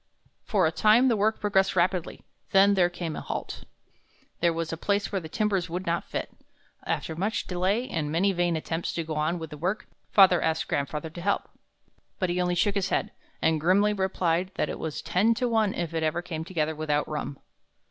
For a time the work progressed rapidly; then there came a halt. There was a place where the timbers would not fit. After much delay and many vain attempts to go on with the work, father asked grandfather to help; but he only shook his head, and grimly replied that it was ten to one if it ever came together without rum.